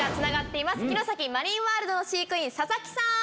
城崎マリンワールドの飼育員佐々木さん！